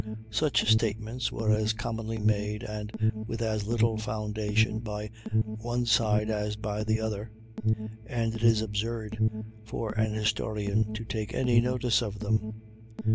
Such statements were as commonly made and with as little foundation by one side as by the other, and it is absurd for a historian to take any notice of them.